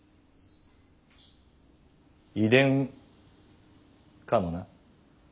遺伝かもな。